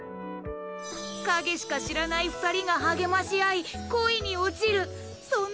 影しか知らない二人が励まし合い恋に落ちるそんなお話です。